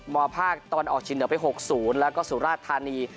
มภาคตอนออกชินเดิมไปหกศูนย์แล้วก็สุราธานี